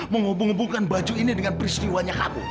menghubung hubungkan baju ini dengan peristiwanya abu